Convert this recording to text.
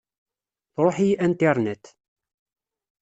Tṛuḥ-iyi Internet.